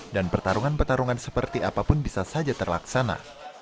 dan pertarungan petarungan seperti apapun bisa saja terlaksana